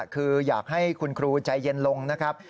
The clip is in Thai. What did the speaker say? คืออยากให้คุณครูใจเย็นลงนะครับ